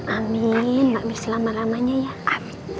amin mbak mir selama lamanya ya